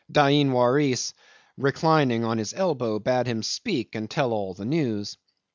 Dain Waris, reclining on his elbow, bade him speak and tell all the news.